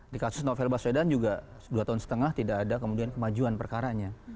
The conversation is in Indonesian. di kasus novel baswedan juga dua tahun setengah tidak ada kemudian kemajuan perkaranya